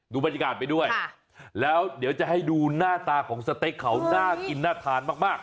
ดูบรรยากาศไปด้วยแล้วเดี๋ยวจะให้ดูหน้าตาของสเต็กเขาน่ากินน่าทานมาก